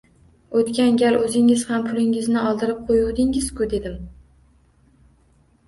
O’tgan gal o’zingiz ham pulingizni oldirib qo’yuvdingiz-ku! – dedim.